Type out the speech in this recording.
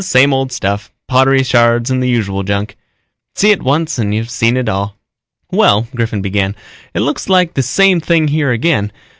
"Same old stuff, pottery shards and the usual junk. See it once and you've seen it all." "Well," Griffin began, "it looks like the same thing here again.